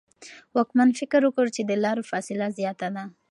واکمن فکر وکړ چې د لارو فاصله زیاته ده.